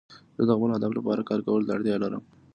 زه د خپل هدف لپاره کار کولو ته اړتیا لرم.